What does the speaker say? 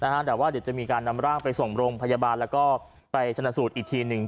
แต่ว่าเดี๋ยวจะมีการนำร่างไปส่งโรงพยาบาลแล้วก็ไปชนะสูตรอีกทีหนึ่ง